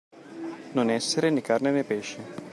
Non essere né carne né pesce.